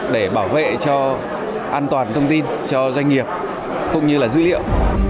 để bảo vệ cho an toàn thông tin cho doanh nghiệp cũng như là dữ liệu